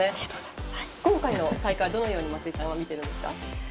今回の大会はどのように松井さんは見ていますか？